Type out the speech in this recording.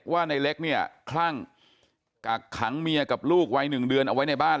ว่าในเล็กเนี่ยคลั่งกักขังเมียกับลูกวัยหนึ่งเดือนเอาไว้ในบ้าน